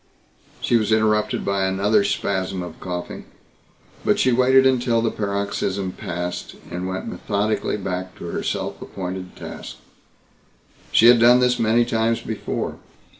She was interrupted by another spasm of coughing, but she waited until the paroxysm passed and went methodically back to her self appointed task. She had done this many times before.